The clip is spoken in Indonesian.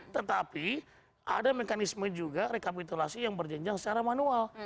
tetapi ada mekanisme juga rekapitulasi yang berjenjang secara manual